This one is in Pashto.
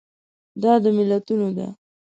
دا د ملتونو ده.